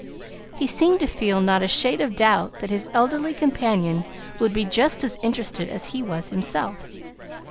He seemed to feel not a shade of a doubt that his elderly companion would be just as interested as he was himself.